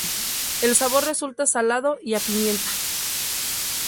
El sabor resulta salado y a pimienta.